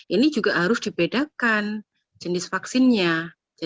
ini juga harus dibedakan jenis vaksinnya